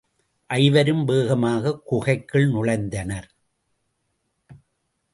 ஐவரும் வேகமாகக் குகைக்குள் நுழைந்தனர்.